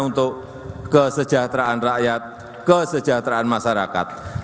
untuk kesejahteraan rakyat kesejahteraan masyarakat